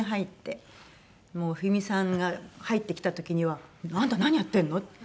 もう冬美さんが入ってきた時には「あんた何やってんの？」。